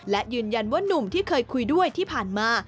และยืนยันว่านุ่มที่เคยคุยด้วยที่ผ่านมา